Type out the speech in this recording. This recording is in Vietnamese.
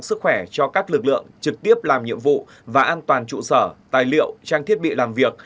sức khỏe cho các lực lượng trực tiếp làm nhiệm vụ và an toàn trụ sở tài liệu trang thiết bị làm việc